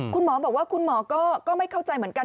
คุณหมอบอกว่าคุณหมอก็ไม่เข้าใจเหมือนกัน